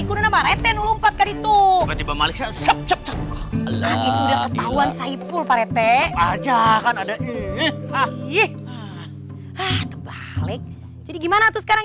itu udah ketahuan saipul pak rete aja kan ada ini ah iya ah balik jadi gimana tuh sekarang